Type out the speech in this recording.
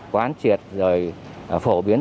quán triệt rồi phổ biến